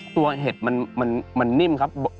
เห็ดมันนิ่มครับ